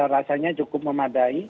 rasanya cukup memadai